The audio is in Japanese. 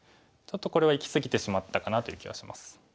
ちょっとこれはいき過ぎてしまったかなという気はします。